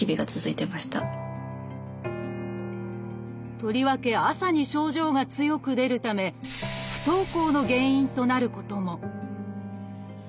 とりわけ朝に症状が強く出るため不登校の原因となることも。